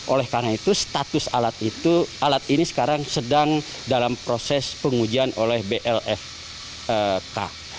oleh karena itu status alat ini sekarang sedang dalam proses pengujian oleh blfk